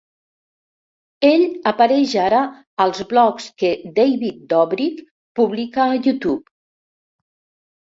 Ell apareix ara als blogs que David Dobrik publica a YouTube.